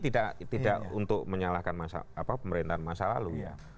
tidak untuk menyalahkan pemerintahan masa lalu ya